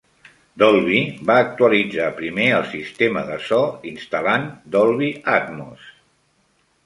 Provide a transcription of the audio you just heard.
Dolby va actualitzar primer el sistema de so instal·lant Dolby Atmos.